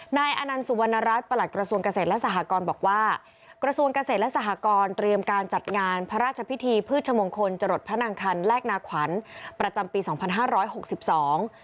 นายอนันต์สุวรรณรัฐประหลัดกระทรวงเกษตรและสหกรบอกว่ากระทรวงเกษตรและสหกรณ์เตรียมการจัดงานพระราชพิธีพืชมงคลจรดพระนางคันแรกนาขวัญประจำปีสองพันห้าร้อยหกสิบสอง